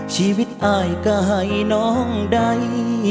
ชีวิตอายก็ให้น้องใด